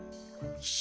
よし。